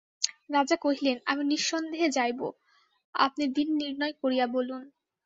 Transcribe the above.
রাজা কহিলেন, আমি নিঃসন্দেহ যাইব, আপনি দিন নির্ণয় করিয়া বলুন।